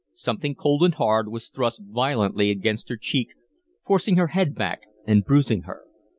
Something cold and hard was thrust violently against her cheek, forcing her head back and bruising her.